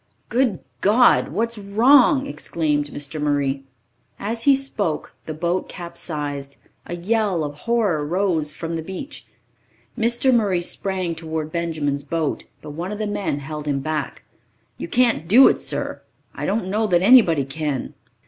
"Good God, what's wrong?" exclaimed Mr. Murray. As he spoke, the boat capsized. A yell of horror rose I from the beach. Mr. Murray sprang toward Benjamin's boat, but one of the men held him back. "You can't do it, sir. I don't know that anybody can."